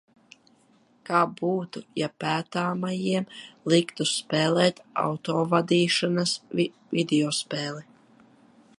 Kā būtu, ja pētāmajiem liktu spēlēt autovadīšanas videospēli?